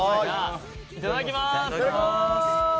いただきます！